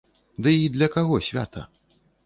Ды й для каго свята?